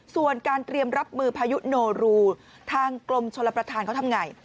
ส่วนการเตรียมรับมือพายุโนรูทางกรมชลประธานเขาทำไง